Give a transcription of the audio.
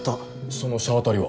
その車当たりは？